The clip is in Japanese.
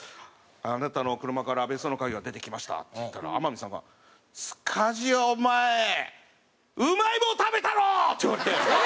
「あなたの車から別荘の鍵が出てきました」って言ったら天海さんが「塚地お前うまい棒食べたろ！」って言われて。